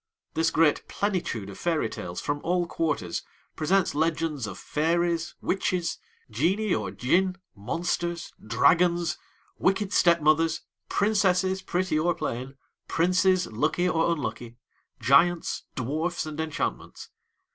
This great plenitude of fairy tales from all quarters presents legends of fairies, witches, genii or Djinn, monsters, dragons, wicked step mothers, princesses, pretty or plain, princes lucky or unlucky, giants, dwarfs, and enchantments.